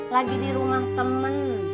lagi di rumah temen